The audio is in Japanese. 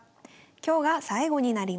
今日が最後になります。